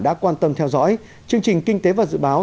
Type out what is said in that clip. đã quan tâm theo dõi chương trình kinh tế và dự báo